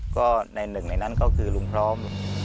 ก็ในหนึ่งในนั้นก็คือลุงพร้อม